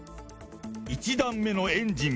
１段目のエンジン